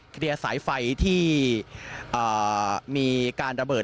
เคลียร์สายไฟที่มีการระเบิด